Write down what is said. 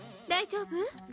大丈夫？